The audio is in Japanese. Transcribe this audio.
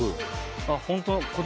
あっホントだ。